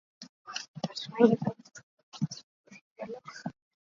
Kuhn hired Bill Bernhard as manager.